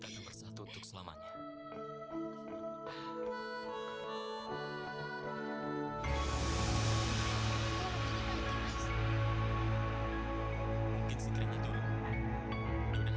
dan sekarang hidup ayu akan kuat juga